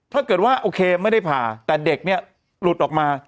ถ้าเกิดว่าโอเคไม่ได้ผ่าแต่เด็กเนี่ยหลุดออกมา